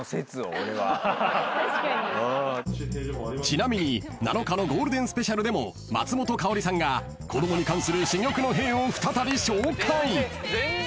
［ちなみに７日のゴールデンスペシャルでも松本薫さんが子供に関する珠玉のへぇーを再び紹介］